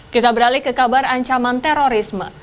kita beralih ke kabar ancaman terorisme